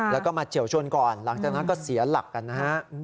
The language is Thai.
แล้วก็มาเฉียวชนก่อนหลังจากนั้นก็เสียหลักกันนะฮะ